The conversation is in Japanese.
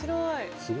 すごい！